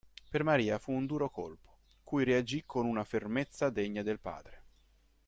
Per Maria fu un duro colpo, cui reagì con una fermezza degna del padre.